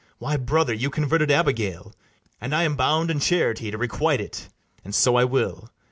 Why, brother, you converted Abigail; And I am bound in charity to requite it, And so I will.